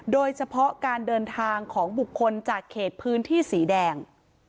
โดยเฉพาะการเดินทางของบุคคลจากเขตพื้นที่สีแดง